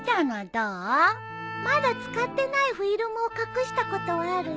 まだ使ってないフィルムを隠したことはあるよ。